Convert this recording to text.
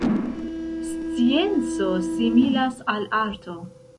Scienco similas al arto.